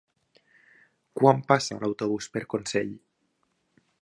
Quan passa l'autobús per Consell?